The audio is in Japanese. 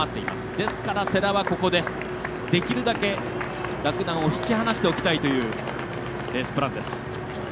ですから、世羅はここでできるだけ、洛南を引き離しておきたいというレースプランです。